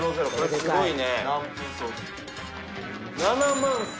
すごいね！